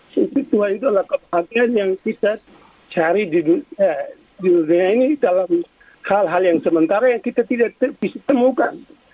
sentuhan itu adalah kematian yang kita cari di dunia ini dalam hal hal yang sementara yang kita tidak bisa temukan